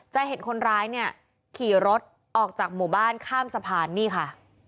จะเห็นคนร้ายเนี่ยขี่รถออกจากหมู่บ้านข้ามสะพานนี่ค่ะ